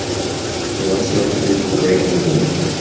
He wants to introduce the great and the good.